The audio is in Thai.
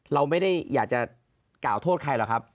เราไม่ได้อยากจะกล่าวโทษใครหรอกครับ